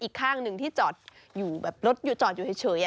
อีกข้างหนึ่งที่จอดอยู่แบบรถอยู่จอดอยู่เฉย